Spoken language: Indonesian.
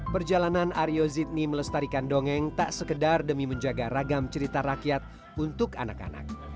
perjalanan aryo zidney melestarikan dongeng tak sekedar demi menjaga ragam cerita rakyat untuk anak anak